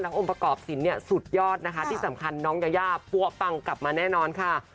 องค์ประกอบสินเนี่ยสุดยอดนะคะที่สำคัญน้องยายาปั้วปังกลับมาแน่นอนค่ะ